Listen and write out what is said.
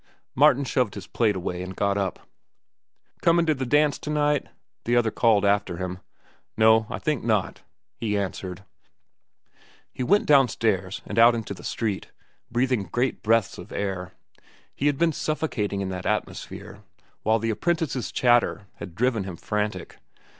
Martin shoved his plate away and got up. "Comin' to the dance to night?" the other called after him. "No, I think not," he answered. He went downstairs and out into the street, breathing great breaths of air. He had been suffocating in that atmosphere, while the apprentice's chatter had driven him frantic.